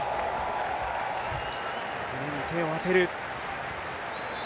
胸に手を当てる。